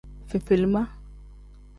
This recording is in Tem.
Fefelima.